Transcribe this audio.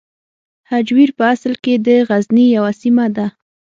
هجویر په اصل کې د غزني یوه سیمه ده.